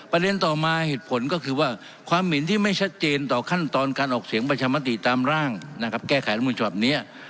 ต่อมาเหตุผลก็คือว่าความเห็นที่ไม่ชัดเจนต่อขั้นตอนการออกเสียงประชามติตามร่างนะครับแก้ไขรัฐมนุนฉบับนี้